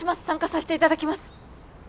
参加させていただきます。